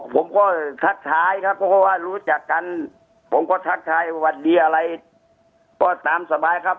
ผมก็ทักท้ายครับเพราะว่ารู้จักกันผมก็ทักทายสวัสดีอะไรก็ตามสบายครับ